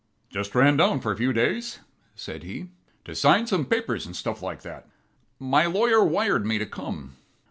"Just ran down for a few days," said he, "to sign some papers and stuff like that. My lawyer wired me to come.